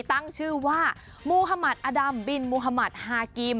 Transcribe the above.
ตั้งชื่อว่ามูฮัมัดอดัมบิลมูฮัมัดฮากิม